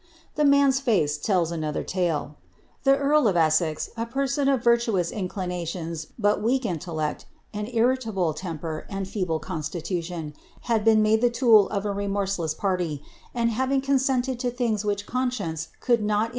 The man's face tells another talc. The etri of Essex, a pers<m of virtuous inclinations but weak intellect, an irriiahle temper, and feeble constitution, had been made the tool of a remondesi jiarty, and having consented to things which conscience could not if ' Alncjiherson ; I'u'^txtiV*, 3«iti\«%U.